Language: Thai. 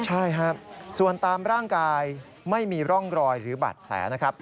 ใช่ครับส่วนตามร่างกายไม่มีร่องรอยหรือบาดแผลนะครับ